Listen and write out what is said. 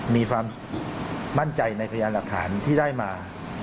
มีความมั่นใจในพยานหลักฐานที่ได้มา